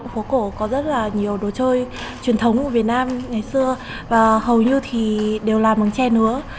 phố cổ có rất là nhiều đồ chơi truyền thống của việt nam ngày xưa và hầu như thì đều là bằng tre nứa